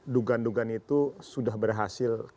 dugan dugan itu sudah berhasil